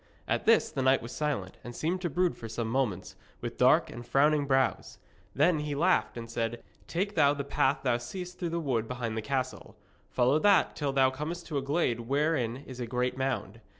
At this the knight was silent, and seemed to brood for some moments, with dark and frowning brows. Then he laughed and said: 'Take thou the path thou seest through the wood behind the castle. Follow that till thou comest to a glade wherein is a great mound.